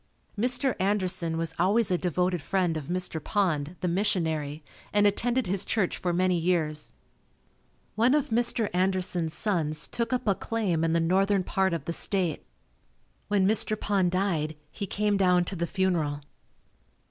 Mr. Anderson was always a devoted friend of Mr. Pond, the missionary and attended his church for many years. One of Mr. Anderson's sons took up a claim in the northern part of the State. When Mr. Pond died, he came down to the funeral.